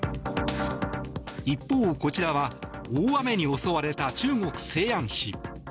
一方こちらは大雨に襲われた中国・西安市。